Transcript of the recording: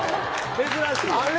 珍しいよ。